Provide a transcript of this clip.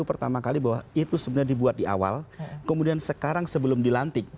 pertama kali bahwa itu sebenarnya dibuat di awal kemudian sekarang sebelum dilantik